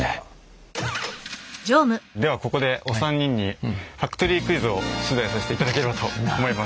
ではここでお三人にファクトリークイズを出題させていただければと思います。